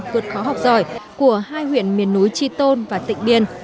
vượt khó học giỏi của hai huyện miền núi tri tôn và tịnh biên